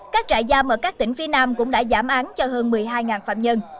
các trại giam ở các tỉnh phía nam cũng đã giảm án cho hơn một mươi hai phạm nhân